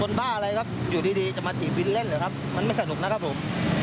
บ้าอะไรครับอยู่ดีจะมาถีบวินเล่นหรือครับมันไม่สนุกนะครับผม